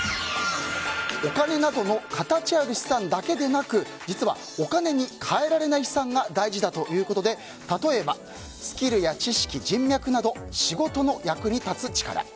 お金などの形ある資産だけでなく実はお金に換えられない資産が大事だということで例えばスキルや知識、人脈など仕事の役に立つ力。